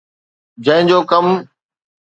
جنهن جو ڪم